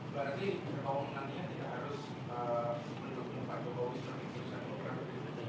berarti kemampuan nantinya tidak harus sebetulnya ke empat ke empat